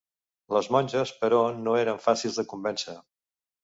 Les monges, però, no eren fàcils de convèncer.